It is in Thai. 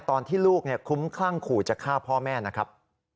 ตอนที่ลูกคุ้มคลั่งขู่จะฆ่าพ่อแม่นะครับ